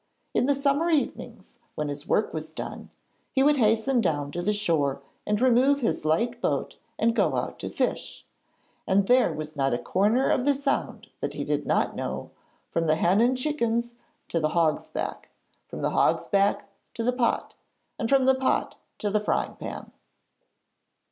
In the summer evenings, when his work was done, he would hasten down to the shore and remove his light boat and go out to fish, and there was not a corner of the Sound that he did not know, from the Hen and Chickens to the Hog's Back, from the Hog's Back to the Pot, and from the Pot to the Frying Pan.